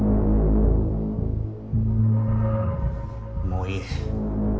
もういい。